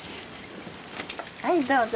はいどうぞ。